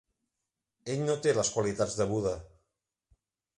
Ell no té les qualitats de Buddha.